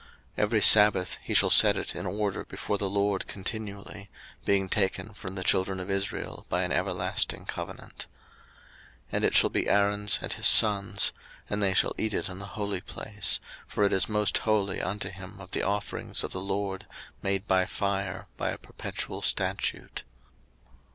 03:024:008 Every sabbath he shall set it in order before the LORD continually, being taken from the children of Israel by an everlasting covenant. 03:024:009 And it shall be Aaron's and his sons'; and they shall eat it in the holy place: for it is most holy unto him of the offerings of the LORD made by fire by a perpetual statute.